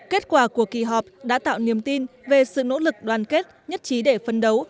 kết quả của kỳ họp đã tạo niềm tin về sự nỗ lực đoàn kết nhất trí để phân đấu